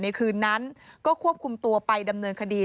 คืนนั้นก็ควบคุมตัวไปดำเนินคดี